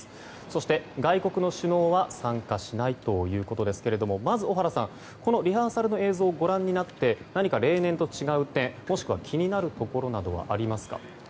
そして、外国の首脳は参加しないということですが小原さん、リハーサルの映像をご覧になって何か例年と違う点、もしくは気になるところはありますか？